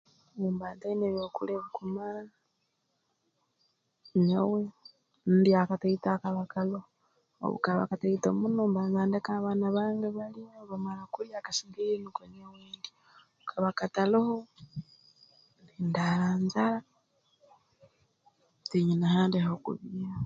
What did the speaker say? Obu mba ntaine ebyokulya ebikumara nyowe ndya akataito akaba kaloho obu kaba kataito muno mbanza ndeka abaana bange balya obu bamara kulya akasigaire nuko nyowe ndya obu kaba kataloho ndaara njara tinyine handi ah'okubiiha